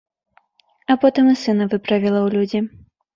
А потым і сына выправіла ў людзі.